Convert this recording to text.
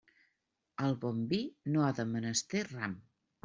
El bon vi no ha de menester ram.